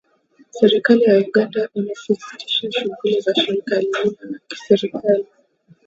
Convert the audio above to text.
Serikali ya Uganda imesitisha shughuli za shirika lisilo la kiserikali